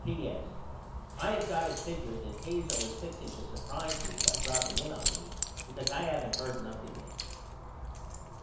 P.S. I have got it figured that Hazel is fixing to surprise me by dropping in on me because I haven't heard nothing yet.